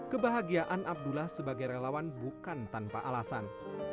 kebahagiaan abdullah sebagai relawan bukan tanpa alasan